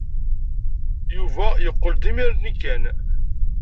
Yuba yeqqel-d imir-nni kan.